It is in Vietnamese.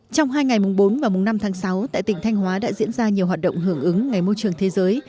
trong hai ngày mùng bốn và mùng năm tháng sáu tại tỉnh thanh hóa đã diễn ra nhiều hoạt động hưởng ứng ngày môi trường thế giới